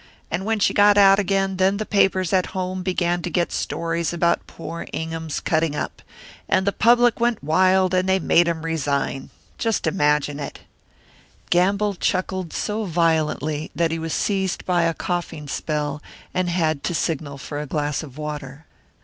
And when she got out again, then the papers at home began to get stories about poor Ingham's cutting up. And the public went wild, and they made him resign just imagine it!" Gamble chuckled so violently that he was seized by a coughing spell, and had to signal for a glass of water.